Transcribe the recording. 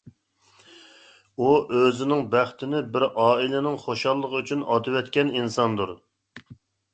ئۇ ئۆزىنىڭ بەختىنى بىر ئائىلىنىڭ خۇشاللىقى ئۈچۈن ئاتىۋەتكەن ئىنساندۇر.